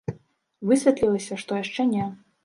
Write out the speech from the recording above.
Высветлілася, што яшчэ не.